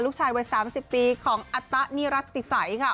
ลูกชายวัย๓๐ปีของอัตตะนิรัติศัยค่ะ